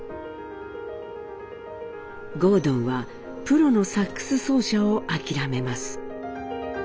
郷敦はプロのサックス奏者を諦めます。